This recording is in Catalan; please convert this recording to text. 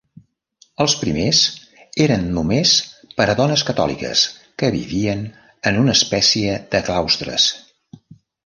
Els primers eren només per a dones catòliques que vivien en una espècie de claustres.